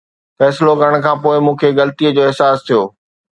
فيصلو ڪرڻ کان پوءِ مون کي غلطي جو احساس ٿيو.